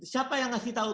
siapa yang ngasih tahu